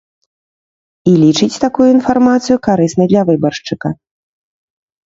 І лічыць такую інфармацыю карыснай для выбаршчыка.